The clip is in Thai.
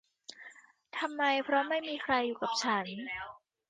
ทำไมเพราะไม่มีใครอยู่กับฉัน !